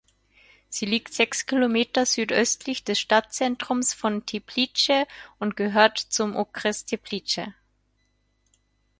Sie liegt sechs Kilometer südöstlich des Stadtzentrums von Teplice und gehört zum Okres Teplice.